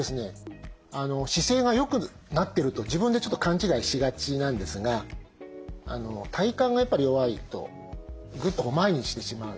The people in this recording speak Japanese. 姿勢がよくなってると自分でちょっと勘違いしがちなんですが体幹がやっぱり弱いとぐっと前にしてしまう。